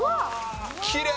きれい。